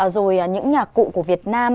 rồi những nhạc cụ của việt nam